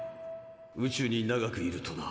宇宙に長くいるとな